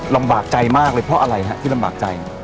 ลำบากใจมากเลยเพราะอะไรฮะที่ลำบากใจ